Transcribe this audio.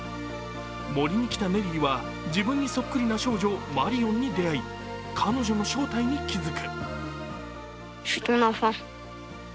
森に来たネリーは、自分にそっくりな少女マリオンに出会い彼女の正体に気づく。